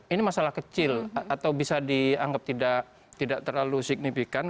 ini masalah kecil atau bisa dianggap tidak terlalu signifikan